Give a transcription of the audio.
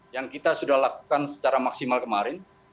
yang kita sudah lakukan secara maksimal kemarin